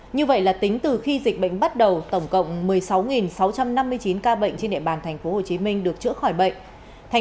như vậy là tính từ khi dịch bệnh bắt đầu tổng cộng một mươi sáu sáu trăm năm mươi chín ca bệnh trên địa bàn tp hcm được chữa khỏi bệnh